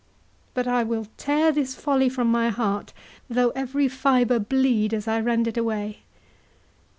—But I will tear this folly from my heart, though every fibre bleed as I rend it away!"